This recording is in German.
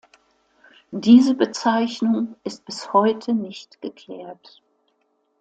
Diese Bezeichnung ist bis heute nicht geklärt.